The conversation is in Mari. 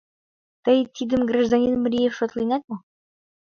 Тый тидым, гражданин Мриев, шотленат мо?